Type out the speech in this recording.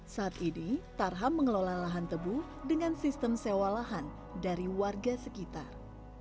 saat ini tarham mengelola lahan tebu dengan sistem sewa lahan dari warga sekitar